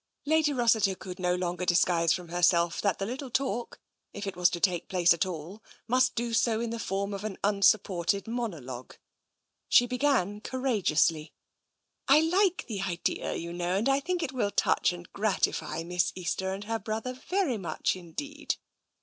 Lady Rossiter could no longer disguise from herself that the little talk, if it was to take place at all, must do so in the form of an unsupported monologue. She began courageously :" I like the idea, you know, and I think it will touch and gratify Miss Easter and her brother very much in deed.